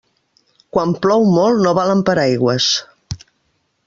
Quan plou molt no valen paraigües.